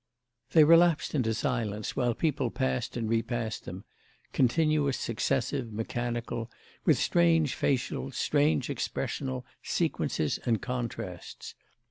They relapsed into silence while people passed and repassed them—continuous successive mechanical, with strange facial, strange expressional, sequences and contrasts.